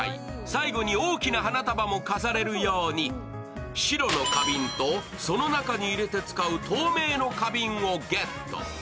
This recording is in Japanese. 最後に大きな花束も飾れるように白の花瓶とその中に入れて使う透明の花瓶をゲット。